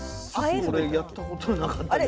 これやったことなかったけど。